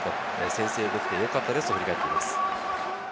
先制できてよかったですと振り返っています。